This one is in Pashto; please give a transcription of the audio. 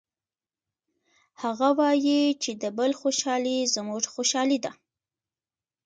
هغه وایي چې د بل خوشحالي زموږ خوشحالي ده